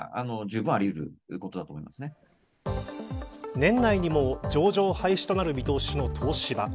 年内にも上場廃止となる見通しの東芝。